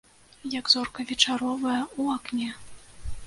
Як зорка вечаровая ў акне.